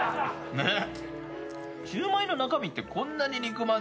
ねっ！